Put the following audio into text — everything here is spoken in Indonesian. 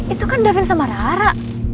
itu kan davin sama rara